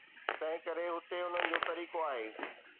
تنهنڪري هتي انهن جو طريقو آهي.